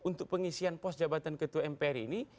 untuk pengisian pos jabatan ketua mpr ini